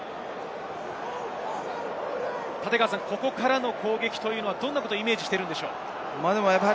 ここからの攻撃、どんなことをイメージしているのでしょうか？